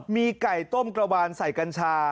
มีไก่ต้มกระวานใส่กัญชา